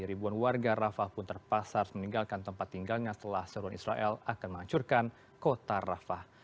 ribuan warga rafah pun terpaksa harus meninggalkan tempat tinggalnya setelah seruan israel akan menghancurkan kota rafah